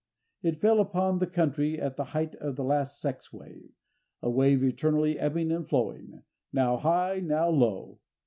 It fell upon the country at the height of the last sex wave—a wave eternally ebbing and flowing, now high, now low.